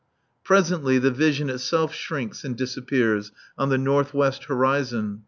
Presently the vision itself shrinks and disappears on the north west horizon.